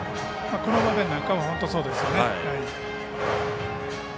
この場面なんかは本当にそうですよね。